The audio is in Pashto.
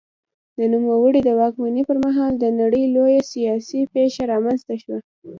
د نوموړي د واکمنۍ پر مهال د نړۍ لویه سیاسي پېښه رامنځته شوه.